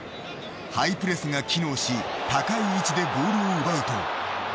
ハイプレスが機能し高い位置でボールを奪うと。